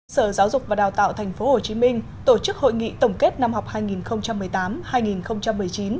sở giáo dục và đào tạo tp hcm tổ chức hội nghị tổng kết năm học hai nghìn một mươi tám hai nghìn một mươi chín